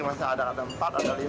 masa ada empat ada lima ada enam gitu